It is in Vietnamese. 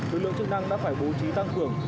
lực lượng chức năng đã phải bố trí tăng cường